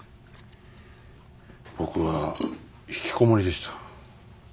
僕はひきこもりでした。